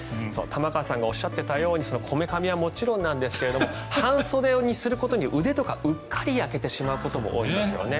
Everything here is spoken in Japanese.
玉川さんがおっしゃっていたようにこめかみはもちろんですが半袖にすることで腕とかうっかり焼けてしまうことも多いですよね。